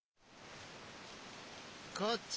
こっち！